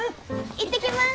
行ってきます！